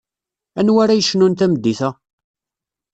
Anwa ara yecnun tameddit-a?